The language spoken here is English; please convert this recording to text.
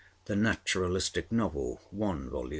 (The Naturalistic Novel) (1 vol.).